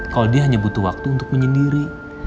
kalau dia hanya butuh waktu untuk menyendiri